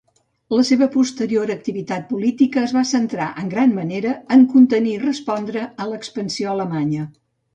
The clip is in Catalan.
La seva posterior activitat política es va centrar en gran manera en contenir i respondre a l'expansió alemanya.